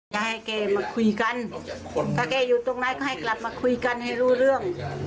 จะให้แกมาคุยกันถ้าแกอยู่ตรงไหนก็ให้กลับมาคุยกันให้รู้เรื่อง